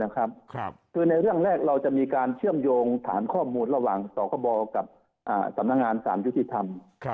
คือในเรื่องแรกเราจะมีการเชื่อมโยงฐานข้อมูลระหว่างสคบกับสำนักงานสารยุติธรรม